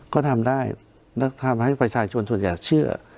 ก็ทำได้แล้วทำให้ประชาชนส่วนใหญ่เชื่อ